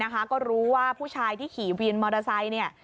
ก็รู้ว่าผู้ชายที่ขี่วินมอเตอร์ไซค์เนี่ย